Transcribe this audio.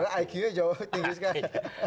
iq nya jauh tinggi sekali